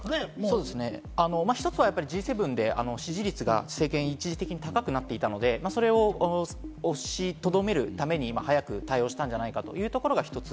一つはＧ７で支持率が政権一時的に高くなっていたので、それを押しとどめるために早く対応したんじゃないかというところが一つ。